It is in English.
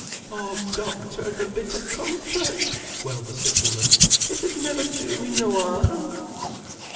"Oh doctor, the bit o' comfort!" wailed the sick woman. "It ud never do me no harm."